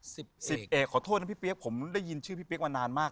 สิบสิบเอกขอโทษนะพี่เปี๊ยกผมได้ยินชื่อพี่เปี๊กมานานมาก